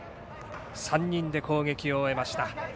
３人で攻撃を終えました。